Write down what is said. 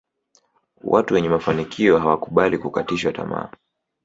Watu wenye mafanikio hawakubali kukatishwa tamaa